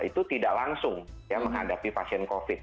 itu tidak langsung ya menghadapi pasien covid